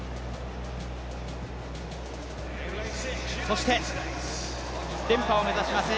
そして連覇を目指します